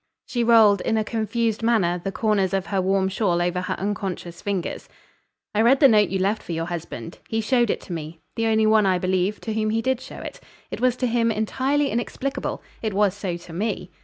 She rolled, in a confused manner, the corners of her warm shawl over her unconscious fingers. "I read the note you left for your husband. He showed it to me; the only one, I believe, to whom he did show it. It was to him entirely inexplicable, it was so to me.